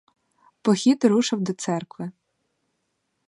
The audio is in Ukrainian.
Похід рушив до церкви.